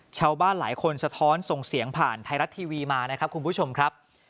ชาวบ้านหลายคนสะท้อนส่งเสียงผ่านไทยรัฐทีวีมานะครับคุณผู้ชมครับ